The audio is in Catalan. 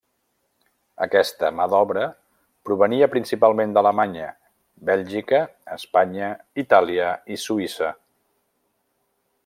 Aquesta mà d'obra provenia principalment d'Alemanya, Bèlgica, Espanya, Itàlia i Suïssa.